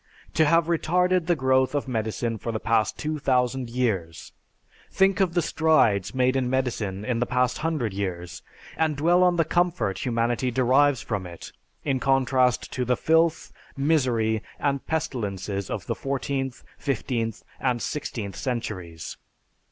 To have retarded the growth of medicine for the past 2000 years! Think of the strides made in medicine in the past hundred years, and dwell on the comfort humanity derives from it, in contrast to the filth, misery, and pestilences of the fourteenth, fifteenth, and sixteenth centuries.